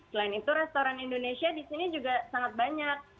selain itu restoran indonesia di sini juga sangat banyak